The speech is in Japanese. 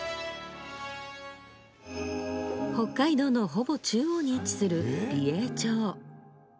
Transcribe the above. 北海道のほぼ中央に位置する美瑛町。